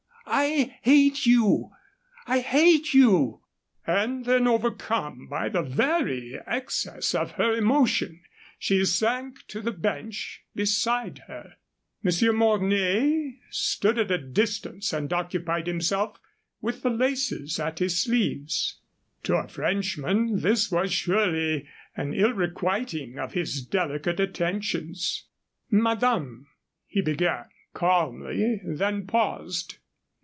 I hate you! I hate you!" And then, overcome by the every excess of her emotion, she sank to the bench beside her. Monsieur Mornay stood at a distance and occupied himself with the laces at his sleeves. To a Frenchman this was surely an ill requiting of his delicate attentions. "Madame," he began, calmly, then paused.